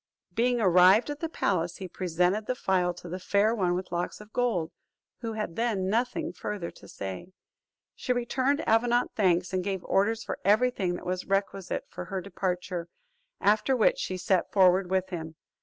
Being arrived at the palace, he presented the phial to the Fair One with Locks of Gold, who had then nothing further to say. She returned Avenant thanks, and gave orders for every thing that was requisite for her departure: after which she set forward with him.